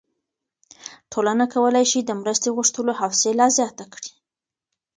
ټولنه کولی شي د مرستې غوښتلو حوصله زیاته کړي.